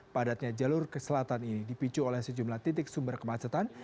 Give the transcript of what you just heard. padatnya jalur ke selatan ini dipicu oleh sejumlah titik sumber kemacetan